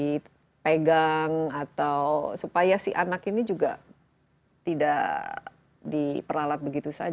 yang boleh dipegang atau supaya si anak ini juga tidak diperlalat begitu saja